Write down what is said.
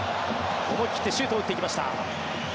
思い切ってシュートを打ってきました。